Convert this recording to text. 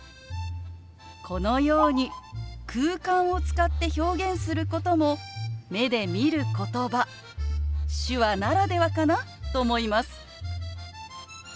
このように空間を使って表現することも目で見ることば手話ならではかなと思います。